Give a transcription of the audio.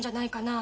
あ